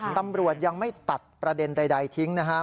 ตำรวจยังไม่ตัดประเด็นใดทิ้งนะฮะ